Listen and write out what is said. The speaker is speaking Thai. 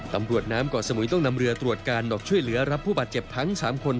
ตำรวจน้ำเกาะสมุยต้องนำเรือตรวจการออกช่วยเหลือรับผู้บาดเจ็บทั้ง๓คน